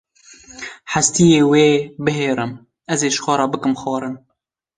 hestiyên wê bihêrim, ez ê ji xwe re bikim xwarin.